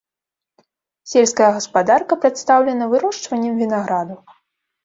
Сельская гаспадарка прадстаўлена вырошчваннем вінаграду.